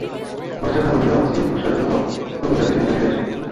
পশ্চাদ্ধাবনে যাওয়া মুসলিম অশ্বারোহী দল গভীর রাতে ক্যাম্পে ফিরে আসে।